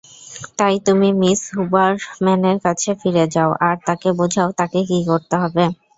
তাই তুমি মিস হুবারম্যানের কাছে ফিরে যাও আর তাকে বোঝাও তাকে কী করতে হবে।